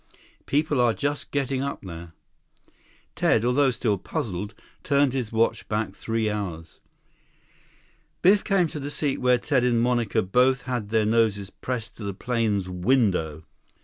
People are just getting up there." Ted, although still puzzled, turned his watch back three hours. Biff came to the seat where Ted and Monica both had their noses pressed to the plane's window.